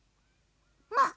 まあ。